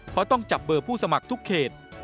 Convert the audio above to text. เพราะต้องจับเบอร์ผู้สมัครทุกเขต